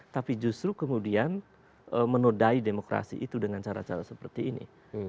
tapi justru kemudian menodai demokrasi itu dengan cara cara seperti ini